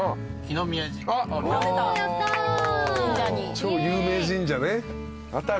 超有名神社ね。